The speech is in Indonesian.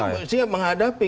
saya siap menghadapi